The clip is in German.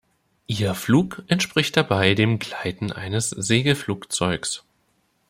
Ihr Flug entspricht dabei dem Gleiten eines Segelflugzeugs.